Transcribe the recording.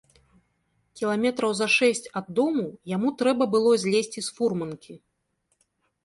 Кіламетраў за шэсць ад дому яму трэба было злезці з фурманкі.